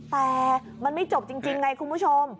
แต่มันไม่จบจริงไงคุณผู้ชม